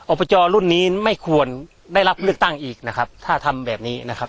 อบจรุ่นนี้ไม่ควรได้รับเลือกตั้งอีกนะครับถ้าทำแบบนี้นะครับ